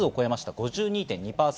５２．２％。